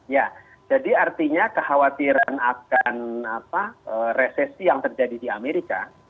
ya jadi artinya kekhawatiran akan resesi yang terjadi di amerika